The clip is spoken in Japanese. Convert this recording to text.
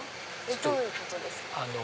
どういうことですか？